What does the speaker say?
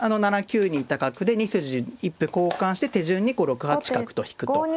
７九にいた角で２筋一歩交換して手順にこう６八角と引くと。